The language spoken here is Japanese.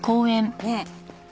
ねえ。